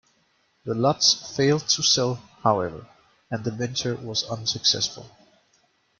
The lots failed to sell, however, and the venture was unsuccessful.